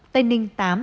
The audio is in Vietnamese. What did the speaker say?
tây ninh tám